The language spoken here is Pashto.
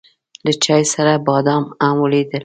له چای سره بادام هم وليدل.